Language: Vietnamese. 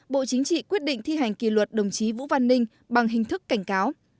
bộ chính trị quyết định thi hành kỳ luật đồng chí vũ văn ninh bằng hình thức cảnh cáo